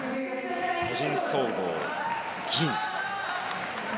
個人総合、銀。